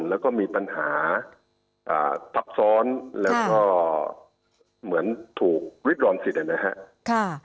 แล้วก็มีปัญหาซับซ้อนแล้วก็เหมือนถูกริดรอนสิทธิ์นะครับ